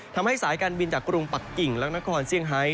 ทำให้สายการบินจากกรุงปักกิ่งและนครเซี่ยงไฮ